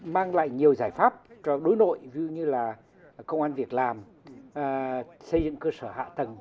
mang lại nhiều giải pháp cho đối nội như là công an việc làm xây dựng cơ sở hạ tầng